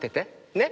ねっ！